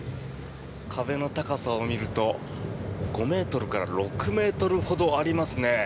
壁の高さを見ると５ｍから６ｍほどありますね。